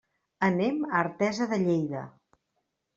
Anem a Artesa de Lleida.